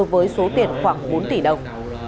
với số tiền khoảng bốn tỷ đồng